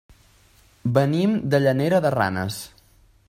Venim de Llanera de Ranes.